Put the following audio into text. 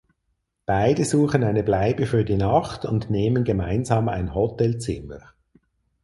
Beide suchen eine Bleibe für die Nacht und nehmen gemeinsam ein Hotelzimmer.